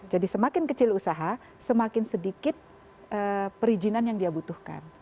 jadi semakin kecil usaha semakin sedikit perizinan yang dia butuhkan